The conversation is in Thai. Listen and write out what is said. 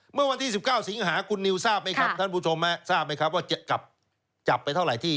เมื่อวันที่๑๙สิงหาคุณนิวทราบไหมค่ะท่านผู้ชมมา